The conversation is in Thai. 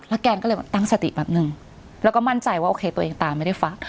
แกนก็เลยแบบตั้งสติแป๊บนึงแล้วก็มั่นใจว่าโอเคตัวเองตาไม่ได้ฟัง